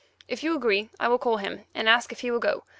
If you agree I will call him, and ask if he will go.